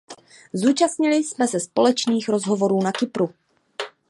Zúčastnili jsme se společných rozhovorů na Kypru.